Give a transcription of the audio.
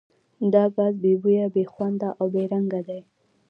دا ګاز بې بویه، بې خونده او بې رنګه دی.